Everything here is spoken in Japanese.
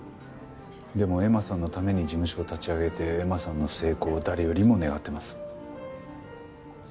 でも恵麻さんのために事務所を立ち上げて恵麻さんの成功を誰よりも願ってます。